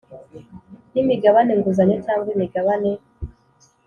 n imigabane nguzanyo cyangwa imigabane